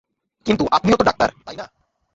কিন্তু আপনিও তো ডাক্তার, তাই না?